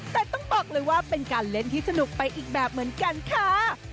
แต่ต้องบอกเลยว่าเป็นการเล่นที่สนุกไปอีกแบบเหมือนกันค่ะ